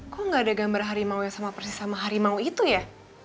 kok gak ada gambar harimau yang sama persis sama harimau itu ya